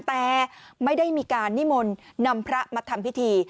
แต่ไม่ได้มีการนิมนต์นำพระมาทำพิธี